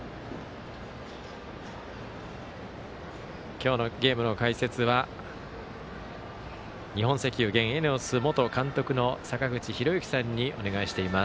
今日のゲームの解説は日本石油現ＥＮＥＯＳ元監督の坂口裕之さんにお願いしています。